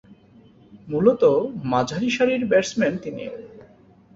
মূলতঃ মাঝারিসারির ব্যাটসম্যান তিনি।